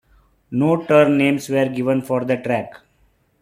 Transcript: No turn names were given for the track.